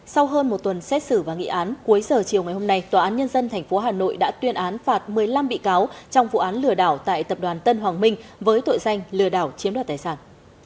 sau hơn một tuần xét xử và nghị án cuối giờ chiều ngày hôm nay tòa án nhân dân tp hà nội đã tuyên án phạt một mươi năm bị cáo trong vụ án lừa đảo tại tập đoàn tân hoàng minh với tội danh lừa đảo chiếm đoạt tài sản